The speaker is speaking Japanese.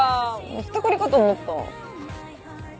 ひったくりかと思った。